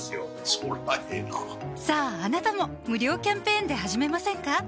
そりゃええなさぁあなたも無料キャンペーンで始めませんか？